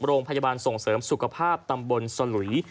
โรงพยาบาลส่งเสริมสุขภาพตำบลสลุย